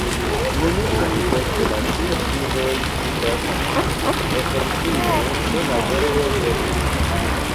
Minuton poste la du viroj sidas oportune ĉe la varma forno.